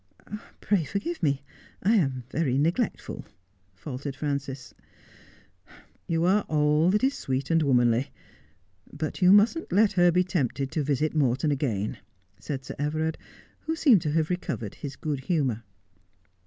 ' Pray forgive me, I am very neglectful,' faltered Frances. ' You are all that is sweet and womanly. But you mustn't let her be tempted to visit Morton again,' said Sir Everard, who seemed to have recovered his good humour.